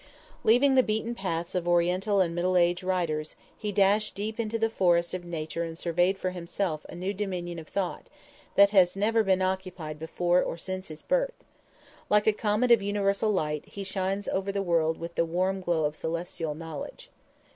Leaving the beaten paths of oriental and middle age writers, he dashed deep into the forest of nature and surveyed for himself a new dominion of thought, that has never been occupied before or since his birth. Like a comet of universal light, he shines over the world with the warm glow of celestial knowledge.